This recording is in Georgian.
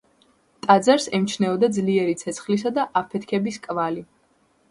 ტაძარს ემჩნეოდა ძლიერი ცეცხლისა და აფეთქების კვალი.